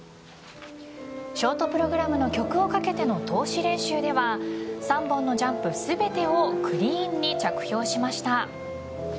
ショートプログラムの曲をかけての通し練習では３本のジャンプ全てをクリーンに着氷しました。